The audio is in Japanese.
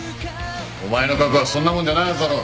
お前の覚悟はそんなもんじゃないはずだろ。